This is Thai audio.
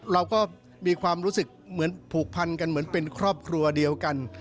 เราก็มีความรู้สึกเหมือนผูกพันกันเหมือนเป็นครอบครัวเดียวกัน